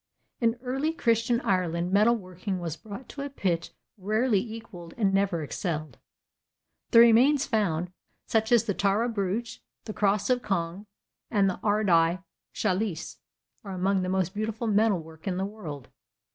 In early Christian Ireland metalworking was brought to a pitch rarely equalled and never excelled. The remains found, such as the Tara Brooch, the Cross of Cong, and the Ardagh Chalice, are among the most beautiful metalwork in the world.